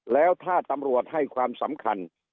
แล้วถ้าตำรวจให้ความสำคัญ